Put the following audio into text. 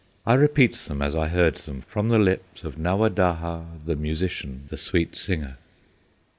I repeat them as I heard them From the lips of Nawadaha, The musician, the sweet singer."